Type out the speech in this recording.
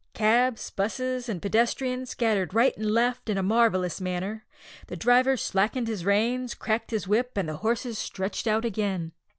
Cabs, 'busses, and pedestrians scattered right and left in a marvellous manner; the driver slackened his reins, cracked his whip, and the horses stretched out again.